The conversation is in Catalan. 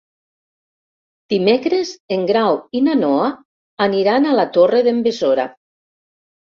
Dimecres en Grau i na Noa aniran a la Torre d'en Besora.